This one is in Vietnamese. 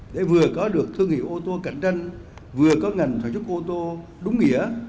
để vừa có được thương hiệu ô tô cạnh tranh vừa có ngành sản xuất ô tô đúng nghĩa